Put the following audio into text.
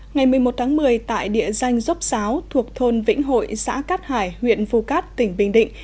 ngày một mươi một tháng một mươi tại địa danh dốc xáo thuộc thôn vĩnh hội xã cát hải huyện phu cát tỉnh bình định